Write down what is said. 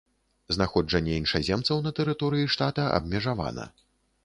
Знаходжанне іншаземцаў на тэрыторыі штата абмежавана.